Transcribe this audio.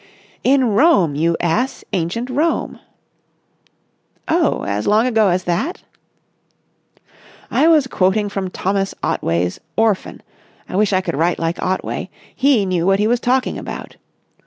"In Rome, you ass! Ancient Rome." "Oh, as long ago as that?" "I was quoting from Thomas Otway's 'Orphan.' I wish I could write like Otway. He knew what he was talking about.